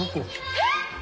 えっ！？